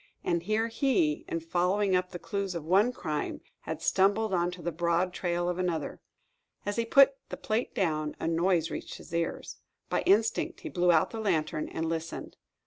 And here he, in following up the clues of one crime, had stumbled upon the broad trail of another. As he put the plate down, a noise reached his ears. By instinct, he blew out the lantern and listened.